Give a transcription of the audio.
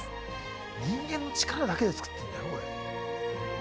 人間の力だけで作ってるんだよ